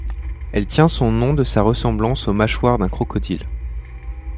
Elle tient son nom de sa ressemblance aux mâchoires d'un crocodile.